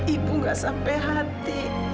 ibu nggak sepatutnya